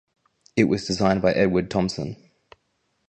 It was designed by Edward Thompson.